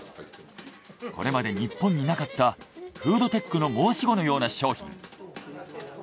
これまで日本になかったフードテックの申し子のような商品。